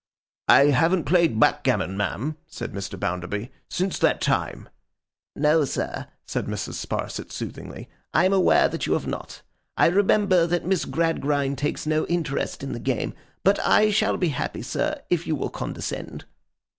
'I haven't played backgammon, ma'am,' said Mr. Bounderby, 'since that time.' 'No, sir,' said Mrs. Sparsit, soothingly, 'I am aware that you have not. I remember that Miss Gradgrind takes no interest in the game. But I shall be happy, sir, if you will condescend.